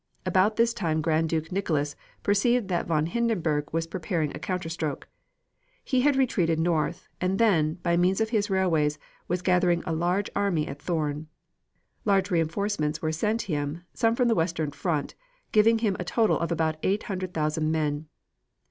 About this time Grand Duke Nicholas perceived that von Hindenburg was preparing a counter stroke. He had retreated north, and then, by means of his railways, was gathering a large army at Thorn. Large reinforcements were sent him, some from the western front, giving him a total of about eight hundred thousand men.